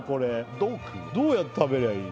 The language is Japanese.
どうやって食べりゃいい？